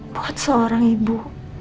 buat seorang ibu